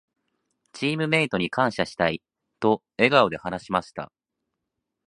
「チームメイトに感謝したい」と笑顔で話しました。